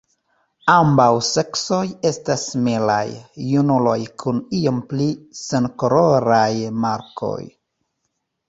Ambaŭ seksoj estas similaj; junuloj kun iom pli senkoloraj markoj.